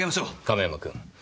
亀山君。